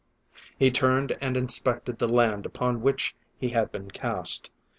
He turned and inspected the land upon which he had been cast.